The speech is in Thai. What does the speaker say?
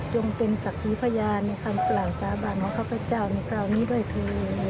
เป็นศักดิ์ขีพยานในคำกล่าวสาบานของข้าพเจ้าในคราวนี้ด้วยเธอ